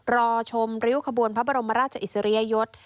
รอชมริ้วขบวนพระบรมราชอิสริยยศ